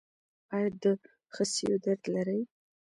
ایا د خصیو درد لرئ؟